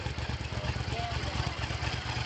你唔驚喎